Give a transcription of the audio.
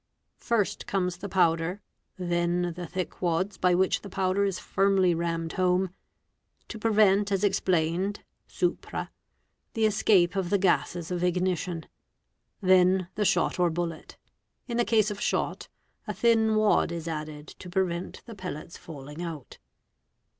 First comes the powder, then the thick wads by which the powder is firmly rammed home, to prevent as explained (swpra) the escape of the gases of ignition, then the shot or bullet; in the case of shot a thin wad is added to prevent the pellets falling out.